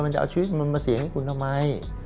มันจะเอาชีวิตมันมาเสี่ยงให้คุณทำไม